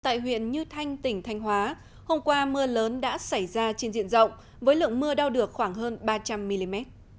tại huyện như thanh tỉnh thanh hóa hôm qua mưa lớn đã xảy ra trên diện rộng với lượng mưa đau được khoảng hơn ba trăm linh mm